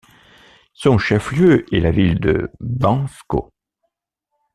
Son chef-lieu est la ville de Bansko.